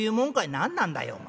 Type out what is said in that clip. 「何なんだよお前。